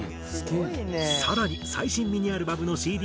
更に最新ミニアルバムのＣＤ